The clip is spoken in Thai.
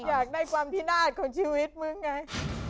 อยากได้ความพินาศของชีวิตมึงไง